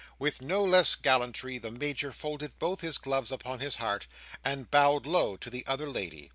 With no less gallantry, the Major folded both his gloves upon his heart, and bowed low to the other lady.